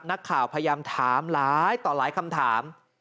นักข่าวพยายามถามหลายต่อหลายคำถาม